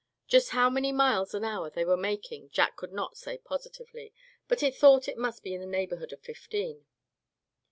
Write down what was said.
Just how many miles an hour they were making Jack could not say positively; but he thought it must be in the neighborhood of fifteen.